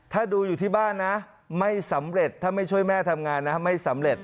ถ้าดูอยู่ที่บ้านนะไม่สำเร็จถ้าไม่ช่วยแม่ทำงานนะไม่สำเร็จ